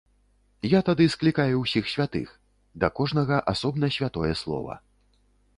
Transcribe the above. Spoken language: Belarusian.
Я тады склікаю ўсіх святых, да кожнага асобна святое слова.